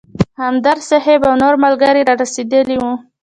همدرد صیب او نور ملګري رارسېدلي وو.